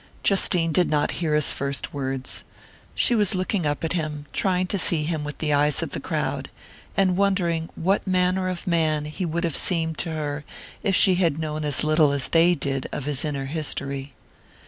Justine did not hear his first words. She was looking up at him, trying to see him with the eyes of the crowd, and wondering what manner of man he would have seemed to her if she had known as little as they did of his inner history.